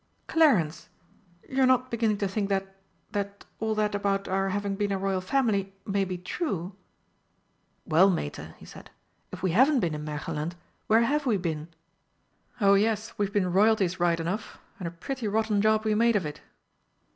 "Clarence! You're not beginning to think that that all that about our having been a Royal Family may be true?" "Well, Mater," he said, "if we haven't been in Märchenland, where have we been? Oh yes, we've been Royalties right enough and a pretty rotten job we made of it!"